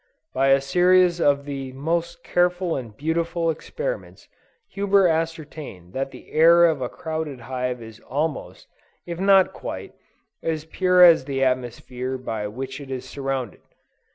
By a series of the most careful and beautiful experiments, Huber ascertained that the air of a crowded hive is almost, if not quite, as pure as the atmosphere by which it is surrounded.